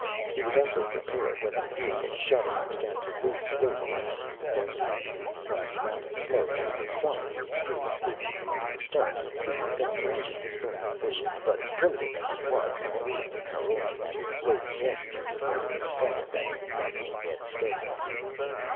He was also prepared when the vehicle shuddered and began to move slowly out into the desert. From the amount of smoke and the quantity of steam escaping from under the stern he didn't think the engine was very efficient, but primitive as it was it moved the caroj and its load of passengers across the sand at a creeping yet steady pace.